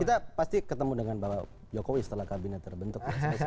kita pasti ketemu dengan bapak jokowi setelah kabinet terbentuk